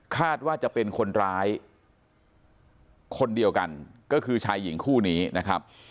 คาดว่าจะเป็นคนร้ายคนเดียวกันก็คือชายหญิงคู่นี้นะครับ